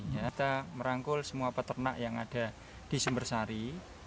kita merangkul semua peternak yang ada di sumbersari